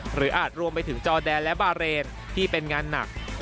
อาจรวมไปถึงจอแดนและบาเรนที่เป็นงานหนัก